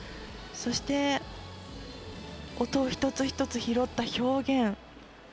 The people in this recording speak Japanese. そして、音を一つ一つ拾った表現。